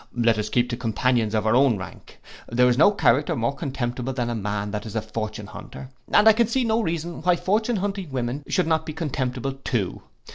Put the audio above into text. Let us keep to companions of our own rank. There is no character more contemptible than a man that is a fortune hunter, and I can see no reason why fortune hunting women should not be contemptible too.